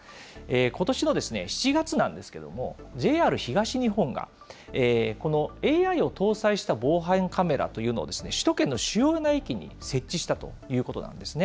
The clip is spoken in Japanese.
ことしの７月なんですけども、ＪＲ東日本が、このＡＩを搭載した防犯カメラというのを首都圏の主要な駅に設置したということなんですね。